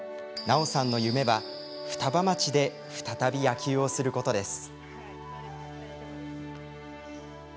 奈緒さんの夢は、双葉町で再び野球をすることです。